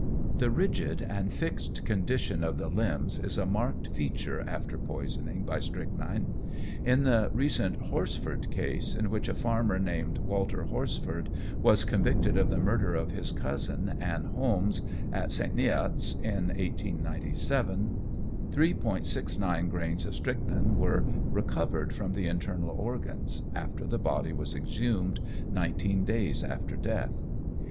The rigid and fixed condition of the limbs is a marked feature after poisoning by strychnine. In the recent Horsford case, in which a farmer named Walter Horsford was convicted of the murder of his cousin Annie Holmes, at St. Neot's, in 1897, 3·69 grains of strychnine were recovered from the internal organs, after the body was exhumed, nineteen days after death.